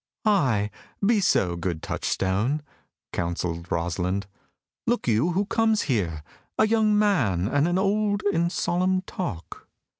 "Ay, be so, good Touchstone," counselled Rosalind. "Look you, who comes here; a young man and an old in solemn talk."